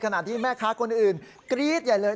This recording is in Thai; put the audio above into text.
ขณะที่แม่ค้าคนอื่นกรี๊ดใหญ่เลย